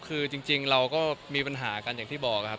คือจริงเราก็มีปัญหากันอย่างที่บอกครับ